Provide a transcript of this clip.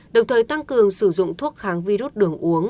đồng thời tăng cường sử dụng thuốc kháng virus đường uống